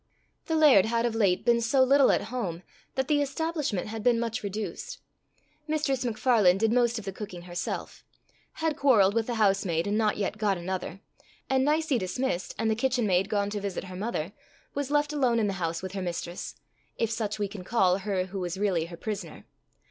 The laird had of late been so little at home, that the establishment had been much reduced; Mistress MacFarlane did most of the cooking herself; had quarrelled with the housemaid and not yet got another; and, Nicie dismissed, and the kitchen maid gone to visit her mother, was left alone in the house with her Mistress, if such we can call her who was really her prisoner.